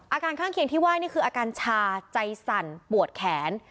ข้างเคียงที่ไห้นี่คืออาการชาใจสั่นปวดแขน